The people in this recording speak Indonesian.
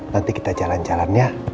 nanti kita jalan jalannya